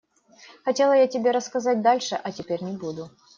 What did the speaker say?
Хотела я тебе рассказать дальше, а теперь не буду.